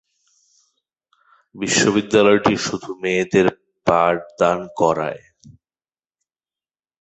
বিশ্ববিদ্যালয়টি শুধু মেয়েদের পাঠদান করায়।